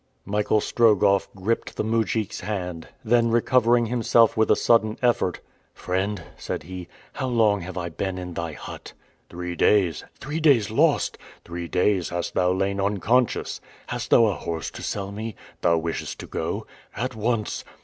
Michael Strogoff gripped the mujik's hand. Then, recovering himself with a sudden effort, "Friend," said he, "how long have I been in thy hut?" "Three days." "Three days lost!" "Three days hast thou lain unconscious." "Hast thou a horse to sell me?" "Thou wishest to go?" "At once."